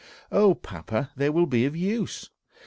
"Oh, papa, they will be of use!